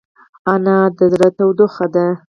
انا د زړه تودوخه ده